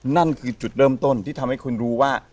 นั่นคือจุดเริ่มต้นที่ทำให้คุณรู้ว่า